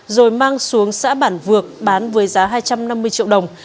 rồi mang xuống xã bản vược bán với giá hai trăm năm mươi triệu đồng